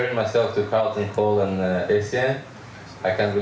michael oceane adalah pemain box box